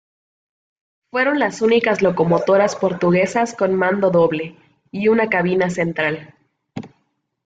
Fueron las únicas locomotoras portuguesas con mando doble, y una cabina central.